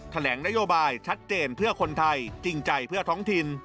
แถลงนโยบายชัดเจนเพื่อคนไทยจริงใจเพื่อท้องถิ่น